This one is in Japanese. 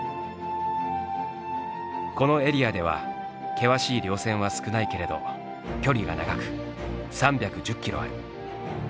このエリアでは険しい稜線は少ないけれど距離は長く３１０キロある。